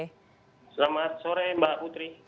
selamat sore mbak putri